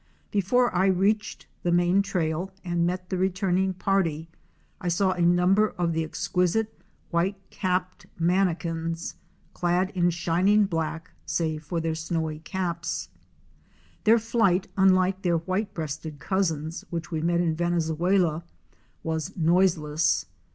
Before I reached the main trail, and met the returning party, I saw a number of the exquisite White capped Manakins," clad in shining black save for their snowy caps. Their flight, unlike their white breasted cousins which we met in Venezuela, was noiseless.